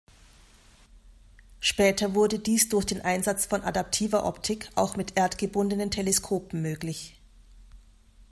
Später wurde dies durch den Einsatz von adaptiver Optik auch mit erdgebundenen Teleskopen möglich.